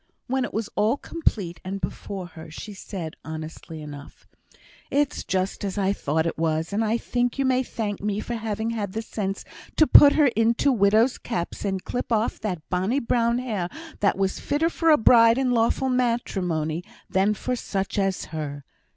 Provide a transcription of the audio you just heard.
When it was all complete and plain before her, she said, honestly enough, "It's just as I thought it was; and I think you may thank me for having had the sense to put her into widow's caps, and clip off that bonny brown hair that was fitter for a bride in lawful matrimony than for such as her.